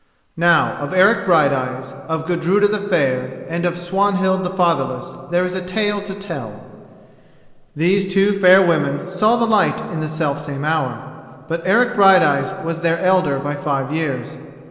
Now of Eric Brighteyes, of Gudruda the Fair and of Swanhild the Fatherless, there is a tale to tell. These two fair women saw the light in the self same hour. But Eric Brighteyes was their elder by five years.